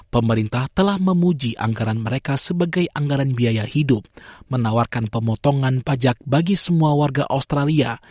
pemerintah telah memuji anggaran mereka sebagai anggaran biaya hidup menawarkan pemotongan pajak bagi semua warga australia